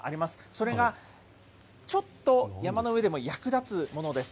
それがちょっと山の上でも役立つものです。